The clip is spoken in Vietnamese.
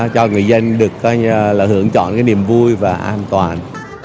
cho người dân được coi là hưởng chọn cái niềm vui và an toàn